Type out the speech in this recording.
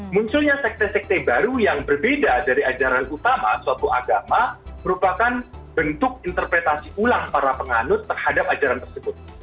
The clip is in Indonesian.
munculnya sekte sekte baru yang berbeda dari ajaran utama suatu agama merupakan bentuk interpretasi ulang para penganut terhadap ajaran tersebut